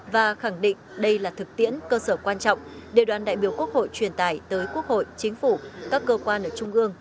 và khẳng định đây là thực tiễn cơ sở quan trọng để đoàn đại biểu quốc hội truyền tải tới quốc hội chính phủ các cơ quan ở trung ương